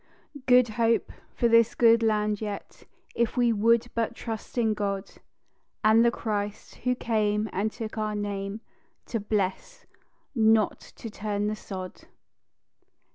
"Good Hope" for this good land yet, If we would but trust in God, And the Christ, who came and took our name To bless, not to turn the sod.